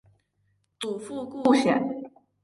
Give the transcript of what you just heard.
祖父顾显。